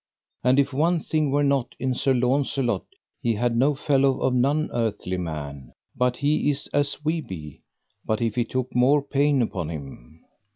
And if one thing were not in Sir Launcelot he had no fellow of none earthly man; but he is as we be, but if he took more pain upon him.